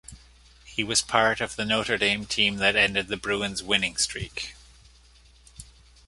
He was part of the Notre Dame team that ended the Bruins winning streak.